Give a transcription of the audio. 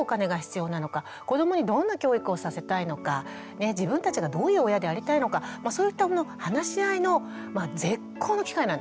子どもにどんな教育をさせたいのか自分たちがどういう親でありたいのかそういったもの話し合いの絶好の機会なんですね。